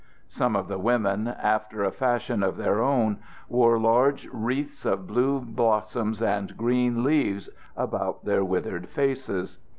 Some of the women, after a fashion of their own, wore large wreaths of blue blossoms and green leaves about their withered faces.